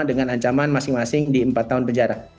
dengan ancaman masing masing di empat tahun penjara